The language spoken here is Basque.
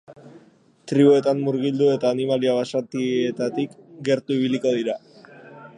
Tribuetan murgildu eta animalia basatietatik gertu ibiliko dira.